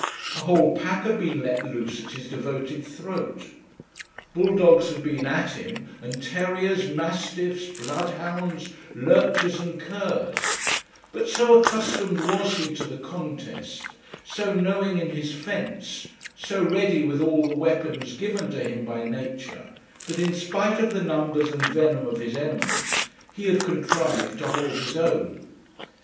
A whole pack had been let loose at his devoted throat. Bull dogs had been at him, and terriers, mastiffs, blood hounds, lurchers, and curs; but so accustomed was he to the contest, so knowing in his fence, so ready with all the weapons given to him by nature, that, in spite of the numbers and venom of his enemies, he had contrived to hold his own.